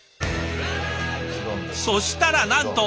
そしたらなんと！